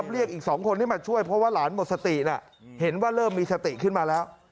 เรียกอีก๒คนที่มาช่วยเพราะว่าหลานหมดสตินะเห็นว่าเริ่มมีสติขึ้นมาแล้ว